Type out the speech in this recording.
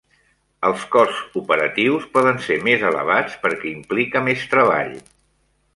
Els costs operatius poden ser més elevats perquè implica més treball.